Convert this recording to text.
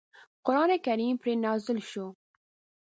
قرآن کریم پرې نازل شو.